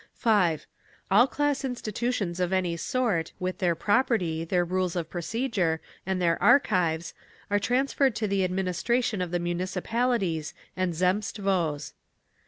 5. All class institutions of any sort, with their property, their rules of procedure, and their archives, are transferred to the administration of the Municipalities and Zemstvos.